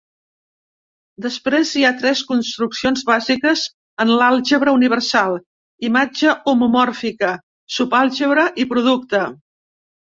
Després hi ha tres construccions bàsiques en l'àlgebra universal: imatge homomòrfica, sub-àlgebra i producte.